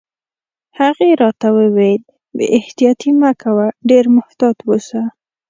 هغې راته وویل: بې احتیاطي مه کوه، ډېر محتاط اوسه.